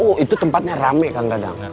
oh itu tempatnya rame kakak